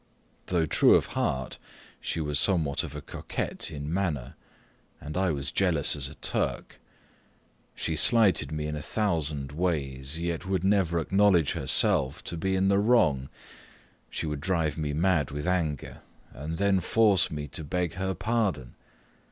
Though true of heart, she was somewhat of a coquette in manner; and I was jealous as a Turk. She slighted me in a thousand ways, yet would never acknowledge herself to be in the wrong. She would drive me mad with anger, and then force me to beg her pardon.